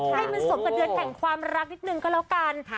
ให้มันสมกับเดือนแห่งความรักนิดนึงก็แล้วกัน